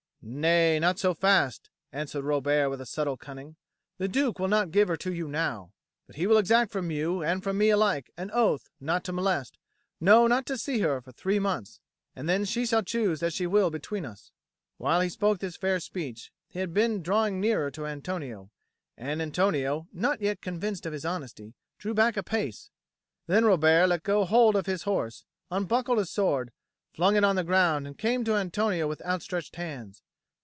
"Nay, not so fast," answered Robert with subtle cunning. "The Duke will not give her to you now. But he will exact from you and from me alike an oath not to molest, no, not to see her, for three months, and then she shall choose as she will between us." While he spoke this fair speech, he had been drawing nearer to Antonio; and Antonio, not yet convinced of his honesty, drew back a pace. Then Robert let go hold of his horse, unbuckled his sword, flung it on the ground, and came to Antonio with outstretched hands.